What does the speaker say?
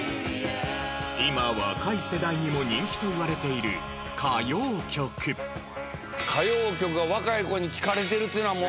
今若い世代にも人気といわれている歌謡曲が若い子に聴かれているというのはもう。